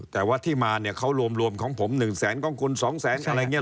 แต่ว่าที่มาเนี่ยเขารวมรวมของผม๑แสนกล้องกุล๒แสนอะไรเงี้ย